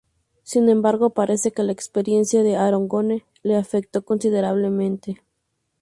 Sin embargo, parece que la experiencia de Argonne le afectó considerablemente.